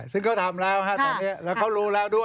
ซึ่งเขาทำแล้วฮะตอนนี้แล้วเขารู้แล้วด้วย